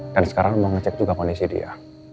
dan sekarang mau ngecek juga kondisi dia